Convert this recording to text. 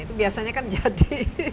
itu biasanya kan jadi